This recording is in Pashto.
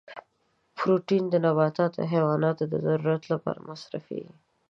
پروتین د نباتاتو او حیواناتو د ضرورت لپاره مصرفیږي.